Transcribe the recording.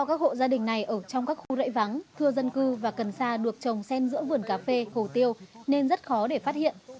do các hộ gia đình này ở trong các khu rễ vắng thưa dân cư và cẩn xa được trồng xem giữa vườn cà phê hồ tiêu nên rất khó để phát hiện